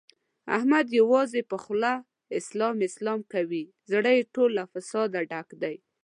احمد یوازې په خوله اسلام اسلام کوي، زړه یې ټول له فساده ډک دی.